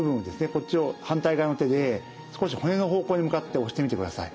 こっちを反対側の手で少し骨の方向に向かって押してみてください。